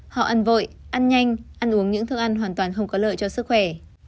họ ăn vội ăn nhanh ăn uống những thức ăn hoàn toàn không có lợi cho sức khỏe